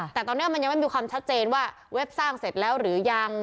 แต่ตอนนี้มันยังไม่มีความชัดเจนว่าเว็บสร้างเสร็จแล้วหรือยัง